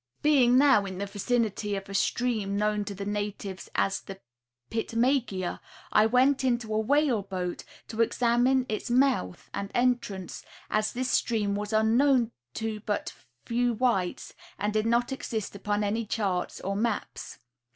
Being now in the vicinity of a stream known to the natives as the Pitmegea, I went in a whaleboat to examine its mouth and entrance, as this stream was unknown to but few whites and did not exist upon any charts or maps.